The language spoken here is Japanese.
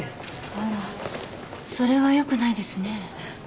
あらそれはよくないですね。